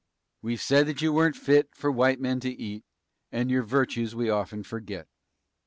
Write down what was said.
We've said that you weren't fit for white men to eat And your virtues we often forget.